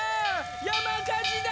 やまかじだ！